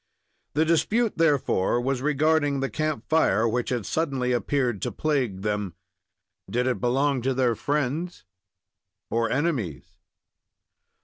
The dispute, therefore, was regarding the campfire, which had suddenly appeared to plague them. Did it belong to their friends or enemies?